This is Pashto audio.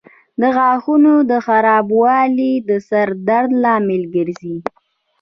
د غاښونو خرابوالی د سر درد لامل ګرځي.